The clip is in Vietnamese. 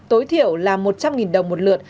tối thiểu là một trăm linh đồng một lượt